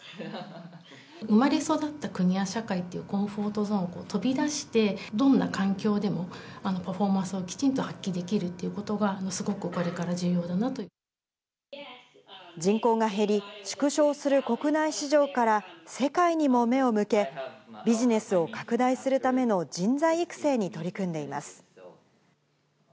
生まれ育った国や社会というコンフォートゾーンを飛び出して、どんな環境でも、パフォーマンスをきちんと発揮できるということが、人口が減り、縮小する国内市場から世界にも目を向け、ビジネスを拡大するための人材育成に取り組んでいます。